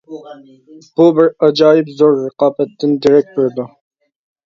بۇ بىر ئاجايىپ زور رىقابەتتىن دېرەك بېرىدۇ.